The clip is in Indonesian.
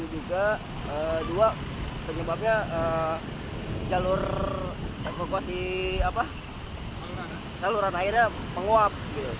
dua penyebabnya jalur evokasi saluran airnya menguap